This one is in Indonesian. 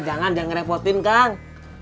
jangan jangan repotin kang